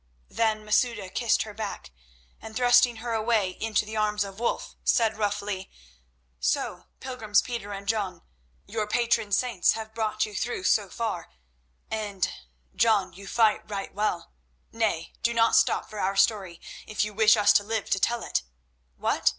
Then Masouda kissed her back, and, thrusting her away into the arms of Wulf, said roughly: "So, pilgrims Peter and John, your patron saints have brought you through so far; and, John, you fight right well. Nay, do not stop for our story, if you wish us to live to tell it. What!